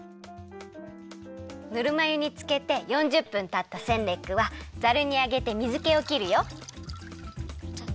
ぬるま湯につけて４０分たったセンレックはざるにあげて水けをきるよ。